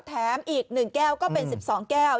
แถมอีก๑แก้วก็เป็น๑๒แก้ว